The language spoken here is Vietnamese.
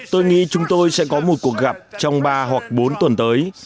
tôi nghĩ chúng tôi sẽ có một cuộc gặp trong ba hoặc bốn tuần tới